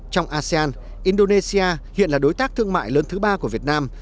trong asean indonesia hiện là đối tác thương mại lớn thứ ba của việt nam